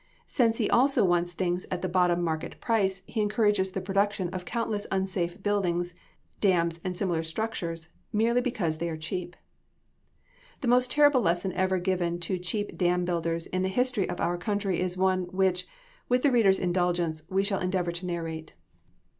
Since he also wants things at the bottom market price, he encourages the production of countless unsafe buildings, dams, and similar structures, merely because they are cheap. The most terrible lesson ever given to cheap dam builders in the history of our country is one, which, with the reader's indulgence, we shall endeavor to narrate.